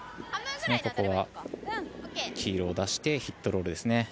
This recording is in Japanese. ここは黄色を出してヒットロールですね。